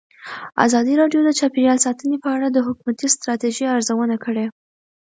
ازادي راډیو د چاپیریال ساتنه په اړه د حکومتي ستراتیژۍ ارزونه کړې.